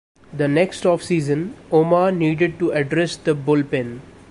The next offseason Omar needed to address the bullpen.